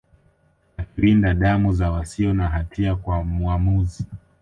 akiwinda damu za wasio na hatia kwa mwamuzi